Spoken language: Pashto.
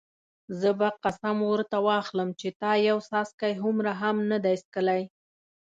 زه به قسم ورته واخلم چې تا یو څاڅکی هومره هم نه دی څښلی.